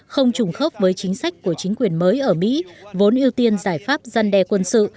không trùng khớp với chính sách của chính quyền mới ở mỹ vốn ưu tiên giải pháp gian đe quân sự